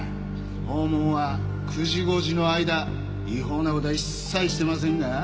訪問は９時５時の間違法な事は一切してませんが？